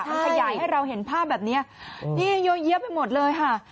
มันขยายให้เราเห็นภาพแบบนี้นี่เยอะแยะไปหมดเลยค่ะ